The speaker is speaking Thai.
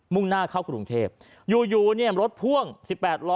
่งหน้าเข้ากรุงเทพอยู่อยู่เนี่ยรถพ่วง๑๘ล้อ